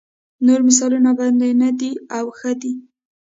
نور مثالونه بد نه دي او ښه دي.